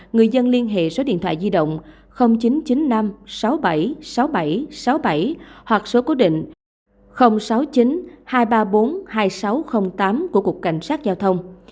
người dân liên hệ số điện thoại di động chín trăm chín mươi năm sáu mươi bảy sáu mươi bảy sáu mươi bảy hoặc số cố định sáu mươi chín hai trăm ba mươi bốn hai nghìn sáu trăm linh tám của cục cảnh sát giao thông